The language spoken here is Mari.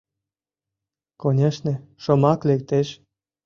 — Конешне, шомак лектеш.